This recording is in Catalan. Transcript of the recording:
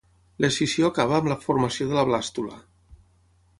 L'escissió acaba amb la formació de la blàstula.